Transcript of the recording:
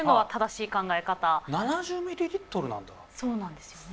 そうなんですよね。